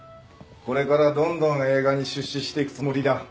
これからどんどん映画に出資していくつもりだ。